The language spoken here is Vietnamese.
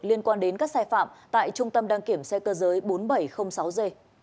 liên quan đến các sai phạm tại trung tâm đăng kiểm xe cơ giới bốn nghìn bảy trăm linh sáu g